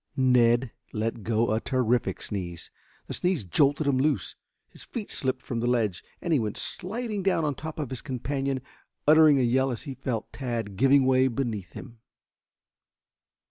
Ned let go a terrific sneeze. The sneeze jolted him loose, his feet slipped from the ledge, and he went sliding down on top of his companion, uttering a yell as he felt Tad giving way beneath him.